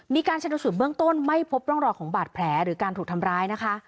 มีการชนสูตรเบื้องต้นไม่พบร่องรอยของบาดแผลหรือการถูกทำร้ายนะคะ